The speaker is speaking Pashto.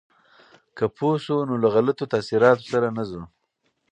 که پوه شو، نو له غلطو تاثیراتو سره نه ځو.